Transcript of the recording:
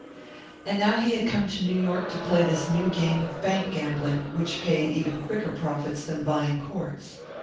And now he had come to New York to play this new game of bank gambling, which paid even quicker profits than buying courts.